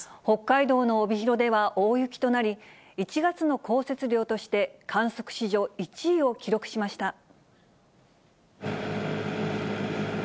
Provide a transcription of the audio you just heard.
北海道の帯広では大雪となり、１月の降雪量として、観測史上１位を記録しました。